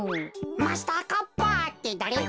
マスターカッパーってだれ？